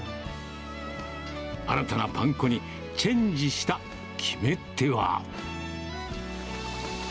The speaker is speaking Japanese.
新たなパン粉にチェンジした決め手は。